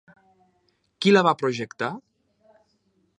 Qui la va projectar?